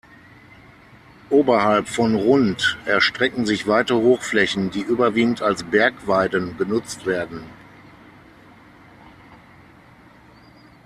Oberhalb von rund erstrecken sich weite Hochflächen, die überwiegend als Bergweiden genutzt werden.